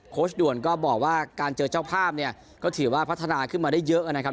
ด่วนก็บอกว่าการเจอเจ้าภาพเนี่ยก็ถือว่าพัฒนาขึ้นมาได้เยอะนะครับ